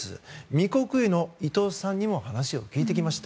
御谷湯の伊藤さんにも話を聞きました。